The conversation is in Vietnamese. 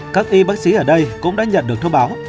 các y bác sĩ ở đây cũng đã nhận được thông báo